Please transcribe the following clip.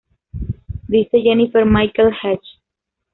Dice Jennifer Michael Hecht